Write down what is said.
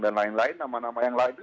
dan lain lain nama nama yang lain itu